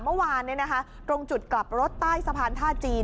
เมื่อวานตรงจุดกลับรถใต้สะพานท่าจีน